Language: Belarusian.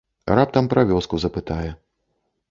Раптам пра вёску запытае.